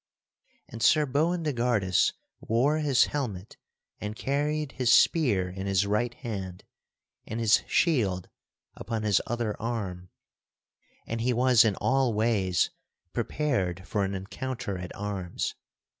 And Sir Boindegardus wore his helmet and carried his spear in his right hand and his shield upon his other arm, and he was in all ways prepared for an encounter at arms.